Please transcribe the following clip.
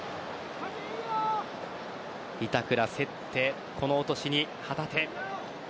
板倉、競ってこの落としに旗手。